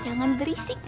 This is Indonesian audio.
eh jangan berisik